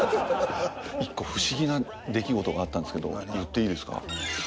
１個不思議な出来事があったんですけど言っていいですか？